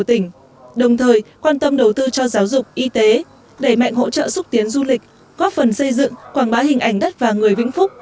đồng thời quan tâm đầu tư cho giáo dục y tế đẩy mạnh hỗ trợ xúc tiến du lịch góp phần xây dựng quảng bá hình ảnh đất và người vĩnh phúc